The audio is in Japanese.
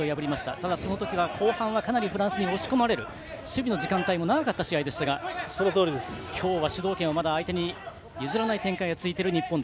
ただ、そのときは後半はフランスに押し込まれる時間帯も多かったですが今日は主導権を相手に譲らない展開が続いている日本。